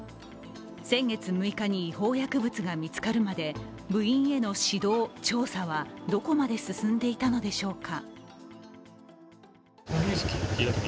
先月６日に違法薬物が見つかるまで部員への指導・調査はどこまで進んでいたのでしょうか？